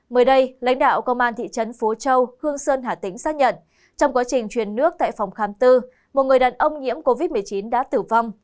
mới đây lãnh đạo công an thị trấn phú châu hương sơn hà tĩnh xác nhận trong quá trình truyền nước tại phòng khám tư một người đàn ông nhiễm covid một mươi chín đã tử vong